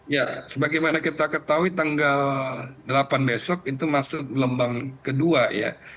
ya sebagaimana kita ketahui tanggal delapan besok itu masuk gelombang kedua ya